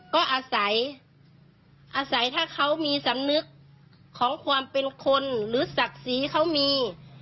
ก็อาศัยอาศัยถ้าเขามีสำนึกของความเป็นคนหรือศักดิ์ศรีเขามี